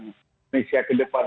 indonesia ke depan